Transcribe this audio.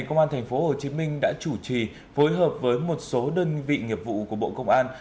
công an tp hcm đã chủ trì phối hợp với một số đơn vị nghiệp vụ của bộ công an